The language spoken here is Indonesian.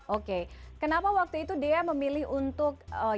oke kenapa waktu itu daya memilih untuk ya udah deh memilih untuk